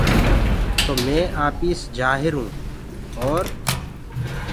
تو مي آپيس جآهرون اور